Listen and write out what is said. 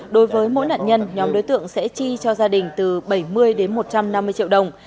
đối với mỗi nạn nhân nhóm đối tượng sẽ chi cho gia đình từ bảy mươi đến một trăm năm mươi triệu đồng